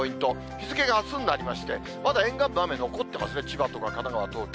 日付があすになりまして、まだ沿岸部、あめ残ってますね、千葉とか神奈川、東京。